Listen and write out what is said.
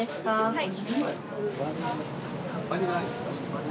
はい。